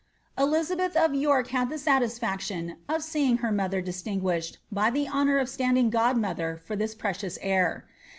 "' Elizabeth of York Itad the satis i^riioa of seeing her mother distinguished by the honour of standing ir ilinolhw for diis precious heir.